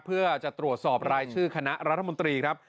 เพื่อจะตรวจสอบรายชื่อคณะรัฐมนตรีครับ